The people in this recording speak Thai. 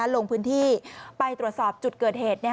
ลงพื้นที่ไปตรวจสอบจุดเกิดเหตุ